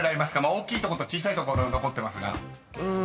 ［大きいとこと小さい所残ってますが］